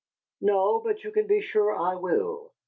"No, but you can be sure I will!"